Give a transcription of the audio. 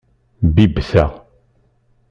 Bibb ta.